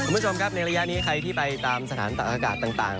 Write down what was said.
คุณผู้ชมครับในระยะนี้ใครที่ไปตามสถานตักอากาศต่าง